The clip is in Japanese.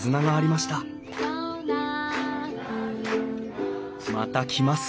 また来ます